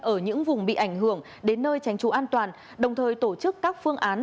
ở những vùng bị ảnh hưởng đến nơi tránh trú an toàn đồng thời tổ chức các phương án